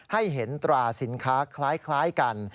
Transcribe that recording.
ให้เห็นตราสินค้าคล้ายกัน